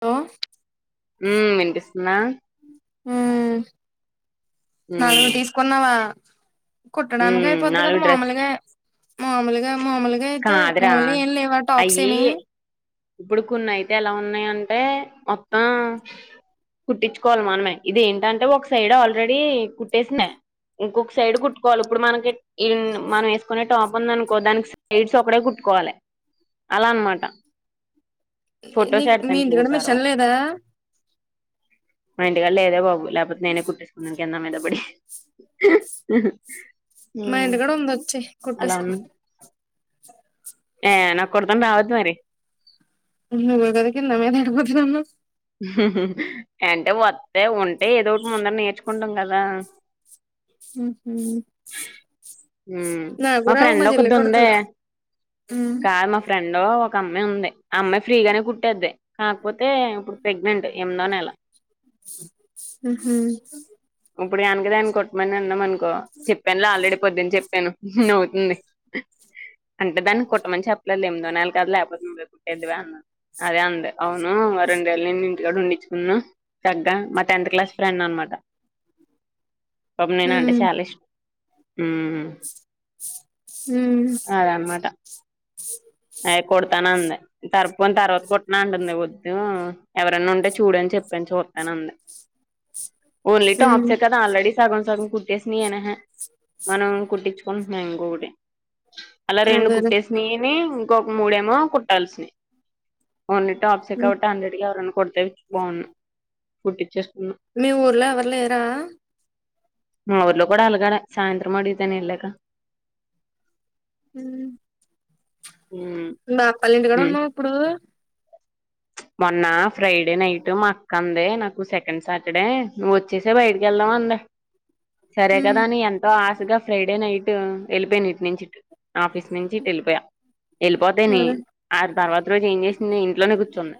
లో ఉ వినిపిస్తుందా నన్ను ఉమ్ తీసుకున్నావా కుట్టడానికి ఉమ్ అయిపోద్ది కదా నాలుగు డ్రెస్ మామలుగా మాములుగా మాముల్ గై యితే కాదురా మాములుగా ఏం లేవా టాప్స్ అయ్యి ఏమి ఇప్పుడు కొన్ని అయితే ఎలా ఉన్నాయంటే మొత్తం కుట్టించుకోవాలి మనమే ఇదేంటంటే ఒక సైడ్ ఆల్రెడీ కుట్టేసింది ఇంకొక సైడ్ కుట్టుకోవాల ఇప్పుడు మనకీ ఈ మనం వేసుకునే టాప్ ఉంది అనుకో దానికి సైడ్స్ ఒకడే కుట్టుకోవాలి అలా అనమాట ఫొటోస్ నీకు మీ పెడతాను ఇంటికడ చూడు తర్వాత మిషన్ లేదా మా ఇంటికాళ లేదే బాబు లేకపోతే నేనే కుట్టేసుకునే కింద మీద పడి మా ఉమ్ ఇంటి కూడా ఉందోచ్చేయి అలా కుట్టేసుకో ఉన్నా ఏ నా కొడుతం రావద్దు మరి నువ్వే గా కిందా మీద ఏడిపోతాదన్నావ్ అంటే వత్తే ఉంటే ఏదో ఒకటి ముందర నేర్చుకుంటాం కదా ఉహు ఉ నాకు మా రావు ఫ్రెండ్ చెల్లి ఒక్కతి ఉందే కుడతది ఉమ్ కా మా ఫ్రెండో ఒక అమ్మాయి ఉంది ఆ అమ్మాయి ఫ్రీగానే కుట్టేది కాకపోతే ఇప్పుడు ప్రెగ్నెంట్ ఎనిమిదో నెల ఉహు ఇప్పుడు యానకదాన్ని కొట్టమని అన్నాం అనుకో చెప్పాన్లే ఆల్రెడీ పొద్దున్న చెప్ చెప్పాను నావుతుంది అంటే దాన్ని కొట్టమని చెప్పలే ఎనిమిదో నెల కద లేపోతే నువ్వే కుట్టేదువన్నా అదే అంది అవునా వరుణ్ వెళ్లి నుంటి గాడ్ ఉండించుకున్నా తగ్గ మా టెన్త్ క్లాస్ ఫ్రెండ్ అనమాట పాపం నేనాంటే ఉమ్ చాలా ఇష్ ఉమ్ హ్మ్ అదనమాట అయ కొడతానంది తర్పున్ తర్వాత కొట్టన అంటుంది వొద్దు ఎవరనన్నుంటే చూడన్ చెప్పన్ చూత్తానంది ఓన్లీ ఉమ్ టాప్స్ ఎక్క ఆల్రెడీ సగం సగం కుట్టేస్ని ఏహే మనం కుట్టించుకుంటున్నాం ఇంకొకటి అలా రెండు అదేలే కుట్టేసినేయిని ఇంకొక మూడేమో కుట్టాల్సినయ్ ఓన్లీ టాప్సే ఉమ్ కావట్టి హండ్రెడ్ కి ఎవరైనా కుడితే బాగున్ను కుట్టిచ్చేస్కుదు మీ ఊర్లో ఎవర్ లేరా? మ ఊర్లో కూడా అల్గాలె సాయంత్రం అడిగితె నే ఎళ్ళాక ఉమ్ ఉమ్ మీ మాప్పల్ ఇంటికాడ ఉమ్ ఉన్నవ్ ఇప్పుడూ మొన్నా ఫ్రైడే నైట్ మా అక్కంది నాకు సెకండ్ సాటర్డే నువ్ ఒచ్చే యి బైటికెళ్దాం అందే సరే ఉమ్ కదా అని ఎంతో ఆశగా ఫ్రైడే నైట్ ఎళ్ళిపోయన్ ఇట్ నుంచి ఇటు ఆఫీస్ నుంచి ఇట్ ఎళ్ళిపోయా ఎళ్ళిపోతే నీ అదే ఆట్ తర్వాత రోజు ఏం చేసింది ఇంట్లోనే కూర్చుంది.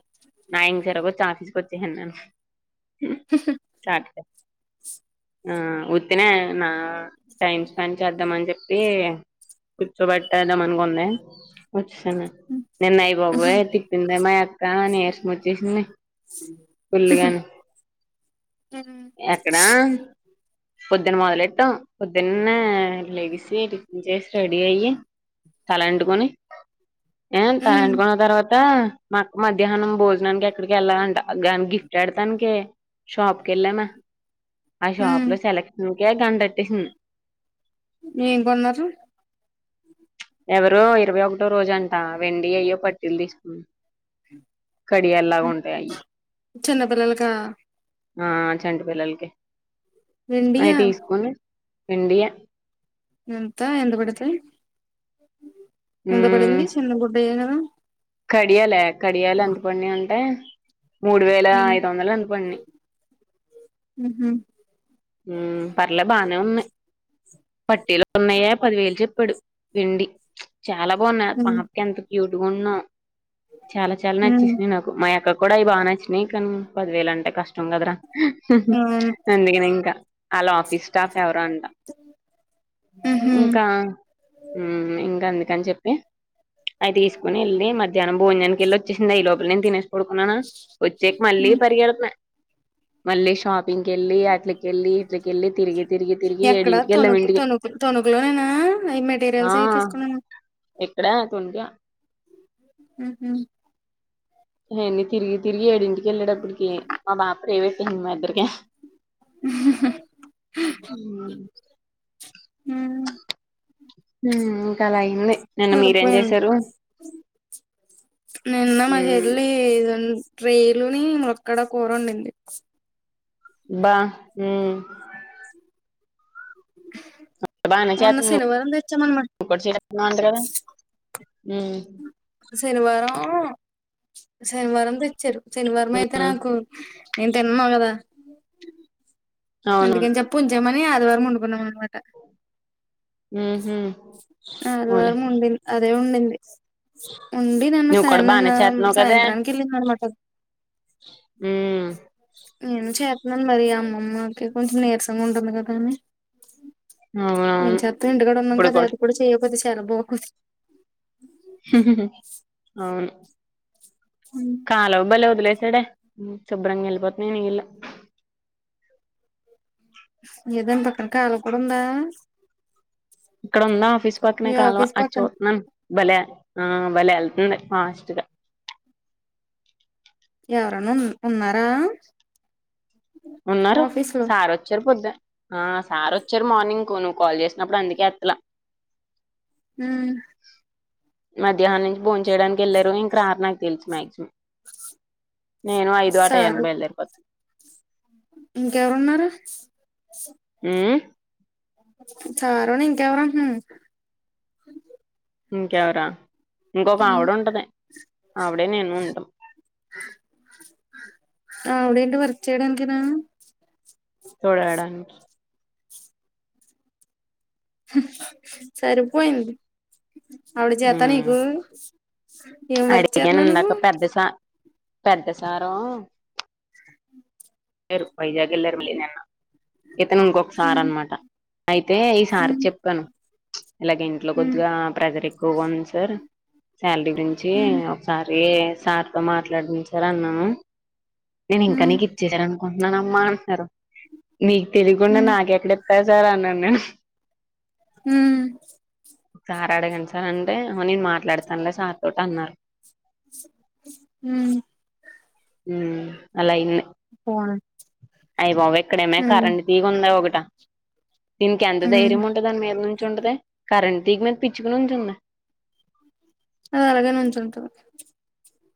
నైన్ తర్వాత ఆఫీస్ కొచ్చేసాన్ నేను హ్ హ్ సాటర్డే ఆ ఉత్తినే నా టైమ్ స్పెండ్ చేద్దామన్ చెప్ పీ కూర్చోబెట్టేదాం అనుకుందే నిన్న అయి బాబోయ్ తిప్పిందే మా అక్క కా నీరసం ఒచ్చేసింది ఫుల్లు గాను ఉమ్ ఎక్కడా? పొద్దున్న మొదలెట్టాం పొద్దున్నా లేగిసి, టిఫిన్ చేసి, రెడీ అయ్యి తలంటుకొని ఏ ఉమ్ తలంటుకున్న తర్వాతా మధ్యాహ్నం భోజనానిక్ ఎక్కడికో ఎళ్ళాలంట గాన్ గిఫ్ట్ ఎడతానికి షాప్ కెళ్లానా ఆ ఉమ్ షాప్లో సెలెక్షన్కే గంట్టేటేసిం ఏం కొన్నరు? ఎవరో ఇరవై ఒకటో రోజంట వెండి అయ్యో పట్టీల్ తీస్కుంద్ కడియల్లా ఉంటయ్ అయ్యి చిన్నపిల్లలకా ఆ చంటి పిల్లల్కి అయి వెండియా తీస్కొని వెండియే ఎంత ఎంత పడ్తయి ఎంత ఉమ్ పడింది చిన్న గుడ్డయే గదా కడియాలే కడియాల్ ఎంత పండినయి అంటే మూడు వేల ఐదు వందలో ఎంతో పడినయి. మ్ హ్ ఉమ్ పర్లే బానే ఉన్నయ్ పట్టీల్ ఉన్నయే పదివేల్ చెప్పాడు వెండి చాలా బాగున్నయి ఉమ్ పాపకి ఎంత క్యూట్ గున్నో చాలా చాలా ఉమ్ నచ్చేసినయి నాక్ మా యక్క కూడా అయి బా నచ్చినయి కన్ పదివేలంటే కష్టం కదరా అవును అందుకనే ఇంకా ఆళ్ళ ఆఫీస్ స్టాఫ్ ఎవరో అంట. ఉహు ఉమ్ ఇంకా అందుకన్ చెప్పి అయి తీస్కొన్ ఎళ్ళి మధ్యాహ్న భోజానికి ఎళ్లోచ్చేసిందా ఈ లోపల నేన్ తినే పడుకున్నానా వచ్చాక్ మళ్ళీ ఉమ్ పరిగెడుతున్న మళ్ళీ షాపింగ్కెళ్ళి అట్లే కెళ్ళి ఇట్ల కెళ్లి తిరిగి తిరిగి తిరిగి ఎక్కడ ఏడింటికి వెళ్ళాం తొనుక్ ఇంటికి తొణుకు తొణుకులోనేనా అయి మెటీరియల్స్ అయి తీసుకున్నాను. ఎక్కడా తొనుక మ్ హ్ అయన్ని తిరిగి తిరిగి ఏడింటికి ఎళ్ళేటప్పకీ మా బాప ప్రైవేట్ అయింది మా ఇద్దర్కీ మ్ ఉమ్ హ్ ఇంకా అలా అయింది నిన్న మీరేం సరిపోయింది చేసారు? నిన్న మా హ్మ్ చెల్లీ దాన్ రేలుని ములక్కాడ కూరండింది. బ హ్మ్ [inaudible] బాగానే చేత మొన్న శనివారం తెచ్చామనమాట [unintelligible] శనివారం శనివారం తెచ్చారు శనివారం అయితే నాకు నేను తినను కదా అవునవును అందుకని చెప్పు ఉంచామని ఆదివారం వండుకున్నాం అనమాట హ్మ్ హు అవునులే అదివారం వండింది [unintelligible] అదే ఉండింది ఉండి నిన్న నువ్వు [unintelligible] కూడా నిన్న బానే చేత్తున్నావు కదే సాయంత్రానికి వెళ్ళింది అనమాట హ్మ్ నేను చేతున్నాను మరి అమ్మమ్మకి కొంచెం నీరసంగా ఉంటుంది కదాని ఏం అవునవును చేస్తాం ఇంటికాడ ఉన్నాం కదా అది కూడా చేయ్యకపోతే చాలా బోర్ అవును కాలవ బలే వదిలేసాడే శుభ్రంగా వెళ్ళిపోతున్నాయి నీళ్లు ఏదండి పక్కన కాళ కూడా ఉందా ఇక్కడ ఉందా ఆఫీస్ పక్కనే మీ కాలవ ఆఫీస్ అది పక్కన చూస్తున్నాను భలే ఆ భలే వెళ్తుంది ఫాస్ట్ గా ఎవరైనా ఉ ఉన్నారా ఉన్నారు ఆఫీస్ లో సార్ వచ్చారు పొద్దు ఆ సార్ వచ్చారు మార్నింగ్ కు నువ్వు కాల్ చేసినప్పుడు అందుకే ఎత్తలా హ్మ్ మధ్యాహ్నం నుంచి భోన్ చేయడానికి వెళ్ళారు ఇంక రారు నాకు తెలుసు మాక్సిమం నేను ఐదు ఆ టైం కి సారు బయదరిపోతా ఇంకెవరున్నారు హ్మ్ సారుని ఇంకెవరు అంటున్నాను [unintelligible] ఇంకెవరా ఇంకొక ఉమ్ ఆవిడ ఉంటంది ఆవిడే నేను ఉంటాం ఆవిడేంటి వర్క్ చేయడానికేనా తుడవడానికి [unintelligible] సరిపోయింది అవిడ జత ఉమ్ నీకు ఏం వర్క్ అడిగాను చేస్తున్నావు నువ్వు ఇన్దాక పెద్ద స పెద్ద సారు లేరు పైజాగ్ వెళ్లారు మళ్ళీ నిన్న ఇతను ఇంకొక సారు అనమాట అయితే ఈ సారికి ఉమ్ చెప్పాను ఇలాగ ఇంట్లో ఉమ్ కొద్దిగా ప్రెషర్ ఎక్కుగాంది [unintelligible] సార్ సాలరీ గురించి ఉమ్ ఒకసారి సార్ మాట్లాడండి సార్ అన్నాను నేను ఇంకా ఉమ్ నీకు ఇచ్చేశారు అనుకుంటున్నాను అమ్మ అంటున్నాడు మీకు తెలియకుండా ఉమ్ నాకెక్కడ ఇస్తారు సార్ అన్నాను నేను హ్మ్ సార్ అడగాను సార్ అంటే నేను మాట్లాడతానులే సార్ తోటి అన్నారు హ్మ్ [inaudible] అలా అయింది [unintelligible] [unintelligible] అయి బాబ్ ఎక్కడేమో ఉమ్ కరెంట్ తీగి ఉంది ఒకటా దీనికి ఎంత ఉమ్ ధైర్యం ఉంటు దాని మీద నుంచుతాది కరెంట్ తీగ మీద పిచ్చుకునించి ఉందా అది [unintelligible] అలాగే ఉంంచిు ఉంటుంది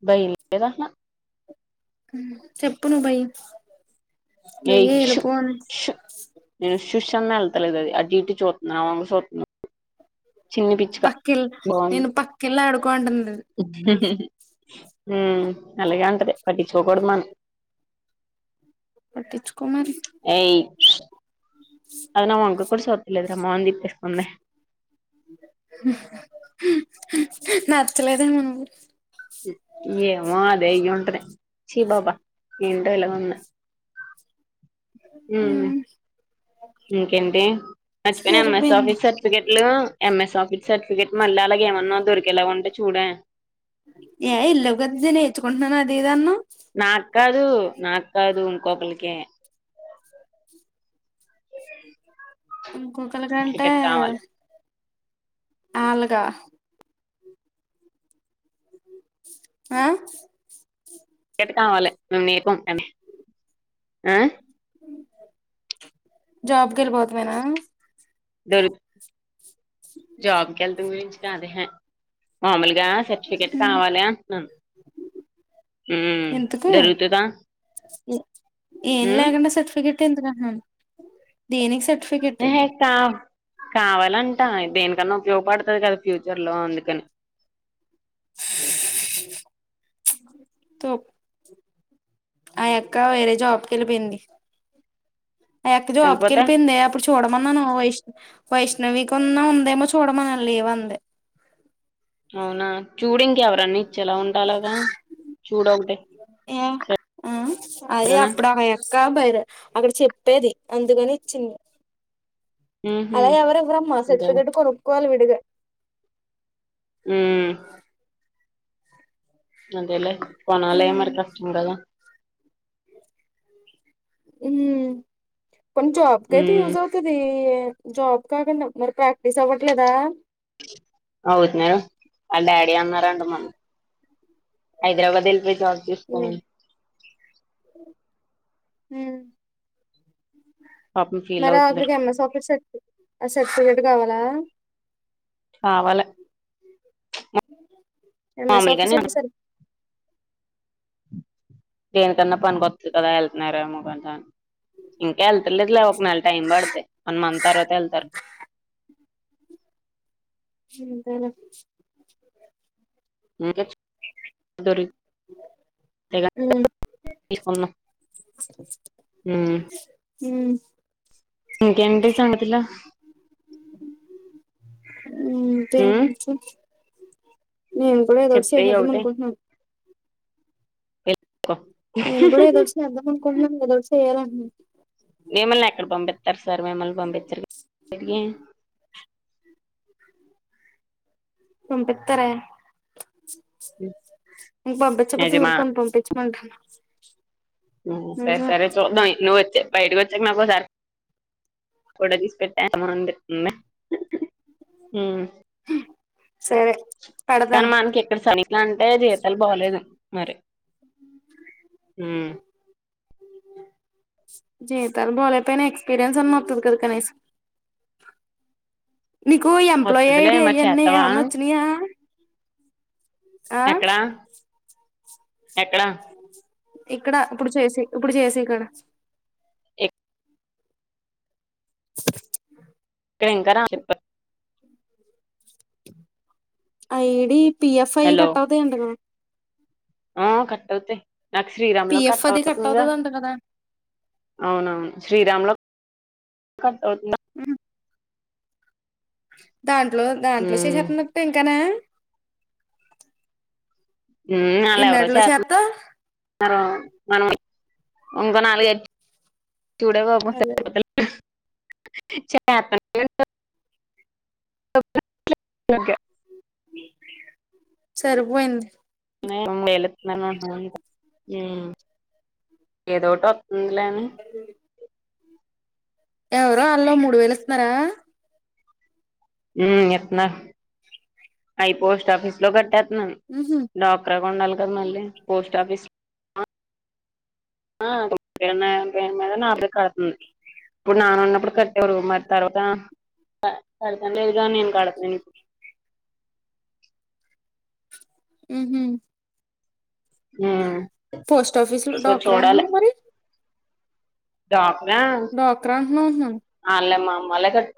బయలేద [unintelligible] చెప్పు నువ్ భయి [unintelligible] ఏ నేను సుష అన్నా వెళ్తలేదు అది అటు ఇటు చూస్తుంది అది నా వంక చిన్నపి పక్కివెళ్ళు నేను పక్కకిళ్లా ఆడుకోంటుంది. ఉమ్ అలాగ ఉంటది పట్టించుకోకూడదు మనం, పట్టిచ్చుకుమారి. ఏయి అది నా వాంగ. ఇప్పుడు చూడట్లేదు రా మొఖం తిప్పేసుకుంది. నచ్చలేదేమ నువ్వు. ఏమో అదే అయ ఉంటుంది చీ బాబా ఏంటో ఇలా ఉంది ఉ ఉమ్ ఇంకేంటి సరిపోయింది సర్టిఫికెట్లు ఎంఎస్ ఆఫీస్ సర్టిఫికెట్ మళ్ళీ అలాగేమన్నా దొరికేలాగాంటే చూడె. ఏయా వెళ్ళావు కదా నేర్చుకుంటున్నాను అది ఇదిఅన్నావ్ నాకు కాదు నాకు కాదు ఇంకొకరికి, ఇంకొకలి కంటే, సర్టిఫికెట్ కావాలి అలాగా ఆ ఎట కావాలి మేము నేపం అని ఆ, జాబ్ కి వేలు పొతుమనా, దొరుక్ జాబ్ వెళ్ళటం గురించి కాదు ఎహే. మామూలుగా సర్టిఫికేట్ ఉమ్ కావాలి అంటున్నాను. ఉమ్ ఎందుకు దొరుగుతుదా. ఏం లేకుండా సర్టిఫికెట్ ఎందుక అంటున్నాను. దేనికి సర్టిఫికెట్, ఎహే కా కావాలంట దేనికన్నా ఉపయోగపడుతుంది కదా ఫ్యూచర్ లో అందుకని, [inaudible] తోప్ ఆ అక్క వేరే జాబ్కి వెళ్ళిపోయింది ఆ అక్క జాబ్కి వెళ్ళిపోతే వెళ్ళిపోయింది అప్పుడు చ, చూడమన్నాను వైష్ వైష్ణవికిన్నా ఉందేమో చూడమన్నా లేవు అందిే. అవునా చూడు ఇంక ఎవరన్న ఇచ్చేలా ఉండాలగా చూడ ఒకటి, ఏమో అ సరేనా అకా పైర్ అక్కడ చెప్పేది అందుకని ఇచ్చింది. ఉహు అలా ఎవరుెవ్వరమ్మా అంతేలే సర్టిఫికెట్ కొనుక్కోవాలి విడిగా, ఉమ్ అంతేలే పోనాాల మరి కష్టంకాదా. హ కొంచమ్ జాబ్కాతే ఉమ్ యుజాఅవుతు. తిది జాబ్ కాకుండి మరి ప్రాక్టీస్ అవ్వట్లేదా, అవుతున్నారయి వాళ్ళ డాడీ అన్నారంండి మమ్మీ, హైదరాబాద్ వెళ్లి జాబ్ చేసుకోమని, ఉమ్ పాపం ఫీల్ మరి అవుతున్నారు అక్కడికి ఎఎస్ అఫ్ సర్టిఫికెట్ ఆ సర్టిఫికేట్ కావాలా, హ వలి, ఎంఎస్ ఆఫీస్ మామూలుగానే ఉంటే సరి దేనికన్నా పనికొస్తు కదా వెళ్తున్నారేమోంట, ఇంకా వెళ్తర్లేదు లే ఒక నెల టైం పడుతే వన్ మంత్ తర్వాత వెళ్తారు. చీన్ ఇందనా, [unintelligible] గాని ఊ తీసుకుందాం ఉమ్ ఉమ్ ఇంకేంటి సంగతులు ఉమ్ ఇంకేంటి మేము కూడా ఏదో ఒకటి చేసేద్దాం అనుకుంటున్నాం ప నేను కూడా ఏదో ఒకటి సేద్దామనుకుంటున్నాను ఏదో ఒకటి సేయలని [inaudible] ఏమన్నా ఎక్కడ పంపిత్తారు సార్ మిమ్మల్ని పంపిత్తరు [unintelligible] పంపిత్తారే ఇంక పంపిచ్చకపోతే నిజమా ఊరుకుం పంపించ్ మంకి [unintelligible] ఊ సరే సరే చూద్దాం నువ్వు వచ్చే బయటకొచ్చాక నాకు ఓసారి ఫోటో తీసి పెట్టా [unintelligible] ఊ సరే కానీ పెడతాను మనకి ఎక్కడ సార్ నిట్లా అంటే జీతాలు బాలేదు మరి [inaudible] ఊ జీతాలు బోలేక అయినా ఎక్స్పీరియన్స్ అన్నా వత్తది కదా కనీస్ నీకు ఈ ఎంప్లాయి ఐ వత్తదిలే డి మరి అయన్నా చేత్తవా ఏవన్నా ఒచ్చినయా ఎక్కడ ఎక్కడ ఇక్కడ ఇప్పుడు చేసి ఇప్పుడు చేసీ కాడ [inaudible] టే ఇంకా రా [unintelligible] ఐ డి పి ఎఫ్ అయి హలో కట్టవుతాయి అంట కదా ఆ కట్ అవుతాయి నాకు శ్రీరామ్ లో పిఎఫ్ కట్ అది అవుతుందిగా అవుతదంట కదా అవునవును శ్రీరామ్ లో కట్టవు [unintelligible] ఊహు దాంట్లో దాంట్లో ఉమ్ చేసేత [unintelligible] ఇంకానా ఊ ఆళ్ళు ఎవరో ఎన్నట్లో చేత్తన్ చేత్తా [unintelligible] [unintelligible] [unintelligible] సరిపోయింది [unintelligible] ఏదో ఓటి వత్తుందిలే అని [inaudible] ఎవరో ఆళ్ళు మూడు వేలు ఇత్తన్నారా ఊమ్ ఇత్నా అయి పోస్ట్ ఆఫీస్ లో కట్టేత్నాను ఉహు డాప్ క్రగుండాలి కదా మళ్ళీ పోస్ట్ ఆఫీస్ ఆ [unintelligible] కడుతుంది ప్పుడు నాన్న ఉన్నప్పుడు కట్టేవారు మరి తర్వాత [unintelligible] లేదు గానీ నేను కడతనాను ఇప్పు ఊహూ ఊ పోస్ట్ ఆఫీస్ లో డాక్రానూ మరి డోక్రా అంటున్నావు అంటున్నాను [unintelligible] ఆళ్ళే మా అమ్మాల్లే కట్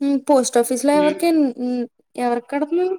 హ్మ్ పోస్ట్ ఆఫీస్ లో కట్టుకుంటారు ఎవర్కిన్ న్ ఎవరిక్ కడతున్నావ్